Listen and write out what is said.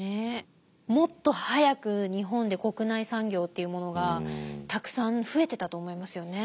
もっと早く日本で国内産業っていうものがたくさん増えてたと思いますよね。